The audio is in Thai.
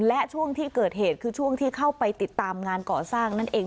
และช่วงที่เกิดเหตุคือช่วงที่เข้าไปติดตามงานก่อสร้างนั่นเอง